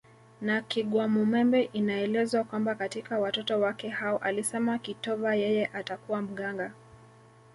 na Kigwamumembe inaelezwa kwamba katika watoto wake hao alisema kitova yeye atakuwa mganga